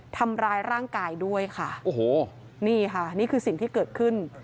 ทำร้ายร่างกายด้วยค่ะโอ้โหนี่ค่ะนี่คือสิ่งที่เกิดขึ้น